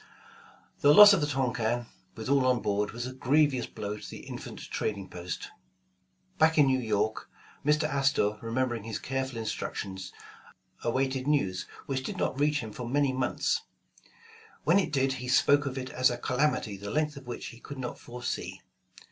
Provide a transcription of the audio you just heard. The loss of the Tonquin, with all on board, was a grevious blow to the infant trading post. Back in New York, Mr. Astor, remembering his careful instructions, awaited news which did not reach him for many months. When it did, he spoke of it as a "calamity the length of which he could not foresee."